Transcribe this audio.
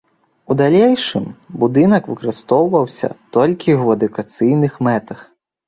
У далейшым будынак выкарыстоўваўся толькі ў адукацыйных мэтах.